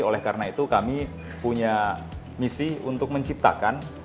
oleh karena itu kami punya misi untuk menciptakan